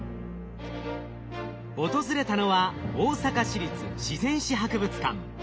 訪れたのは大阪市立自然史博物館。